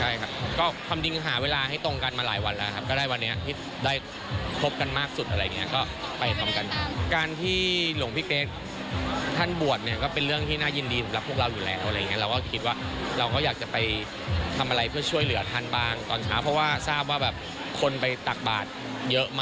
ยกของที่ญาติโยมมาขวายปัจจัย